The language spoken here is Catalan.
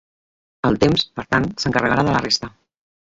El temps, per tant, s’encarregarà de la resta.